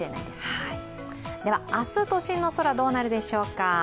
では、明日、都心の空どうなるでしょうか。